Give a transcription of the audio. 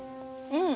うん。